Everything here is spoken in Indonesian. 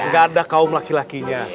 gak ada kaum laki lakinya